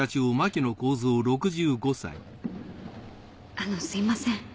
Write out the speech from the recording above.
あのすみません。